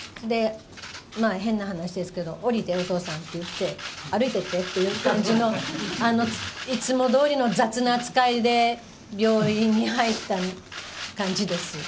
変な話ですけど、降りて、お父さんって言って、歩いていってっていう感じの、いつもどおりの雑な扱いで病院に入った感じです。